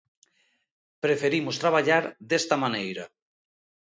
Preferimos traballar desta maneira.